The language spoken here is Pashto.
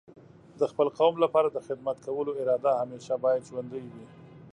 د خپل قوم لپاره د خدمت کولو اراده همیشه باید ژوندۍ وي.